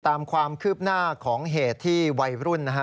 ตามความคืบหน้าของเหตุที่วัยรุ่นนะฮะ